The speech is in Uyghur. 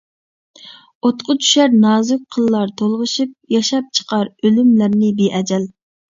ئوتقا چۈشەر نازۇك قىللار تولغىشىپ، ياشاپ چىقار ئۆلۈملەرنى بىئەجەل.